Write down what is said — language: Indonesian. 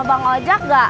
bang ojek gak